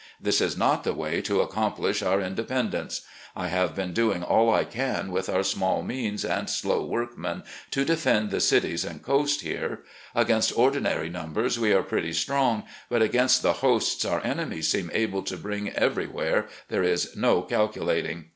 This is not the way to accomplish our inde pendence. I have been doing all I can with our small means and slow workmen to defend the cities and coast here. Against ordinary numbers we are pretty strong, but against the hosts our enemies seem able to bring ever3rwhere there is no calculating.